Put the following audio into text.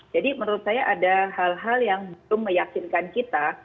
jadi menurut saya ada hal hal yang belum meyakinkan kita